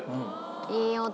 いい音。